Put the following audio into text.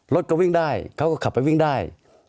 รถก็วิ่งได้เขาก็ขับไปวิ่งได้